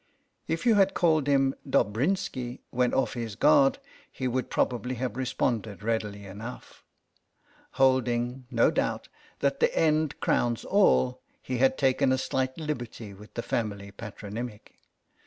If you had called him Dobrinski when off his guard he would probably have responded readily enough; holding, no doubt, that the end crowns all, he had taken a slight liberty with the family patronymic.